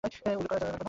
উল্লেখ করা লাগবে না।